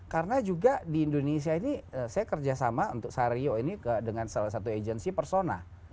karena juga di indonesia ini saya kerja sama untuk sario ini dengan salah satu agensi persona